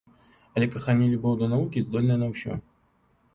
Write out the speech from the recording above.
Але каханне і любоў да навукі здольныя на ўсё.